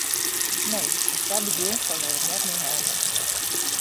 Nee, ast sa begjinst, dan wol ik net mear helpe.